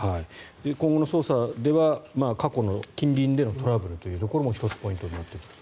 今後の捜査では、過去の近隣でのトラブルというところも１つ、ポイントになってくると。